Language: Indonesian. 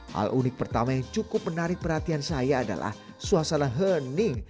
hal unik pertama yang cukup menarik perhatian saya adalah suasana hening